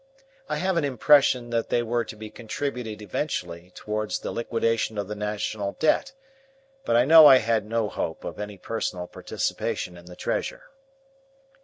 I have an impression that they were to be contributed eventually towards the liquidation of the National Debt, but I know I had no hope of any personal participation in the treasure.